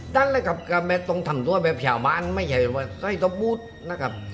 นั่นแหละครับกับแม่ต้องทำตัวแบบชาวบ้านไม่ใช่ว่าใส่ตะบูธนะครับ